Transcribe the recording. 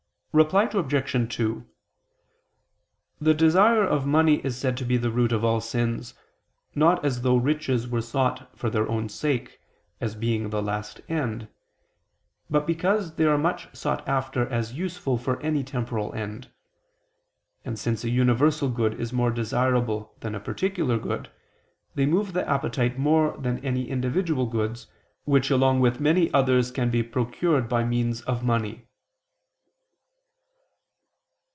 Reply Obj. 2: The desire of money is said to be the root of sins, not as though riches were sought for their own sake, as being the last end; but because they are much sought after as useful for any temporal end. And since a universal good is more desirable than a particular good, they move the appetite more than any individual goods, which along with many others can be procured by means of money.